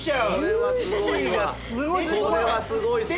これはすごいっすね。